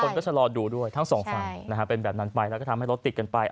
คนก็ชะลอดูด้วยทั้งสองฝั่งนะฮะเป็นแบบนั้นไปแล้วก็ทำให้รถติดกันไป